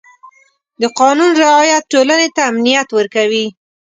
د قانون رعایت ټولنې ته امنیت ورکوي.